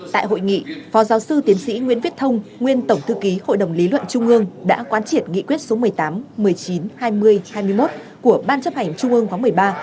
tại hội nghị phó giáo sư tiến sĩ nguyễn viết thông nguyên tổng thư ký hội đồng lý luận trung ương đã quán triệt nghị quyết số một mươi tám một mươi chín hai mươi hai mươi một của ban chấp hành trung ương khóa một mươi ba